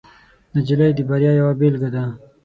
نجلۍ د بریا یوه بیلګه ده.